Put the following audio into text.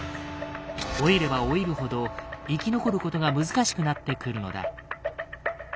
老いれば老いるほど生き残ることが難しくなってくるのだ。